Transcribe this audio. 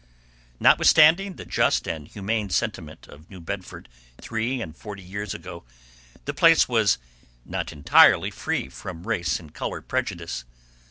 Notwithstanding the just and humane sentiment of New Bedford three and forty years ago, the place was not entirely free from race and color prejudice.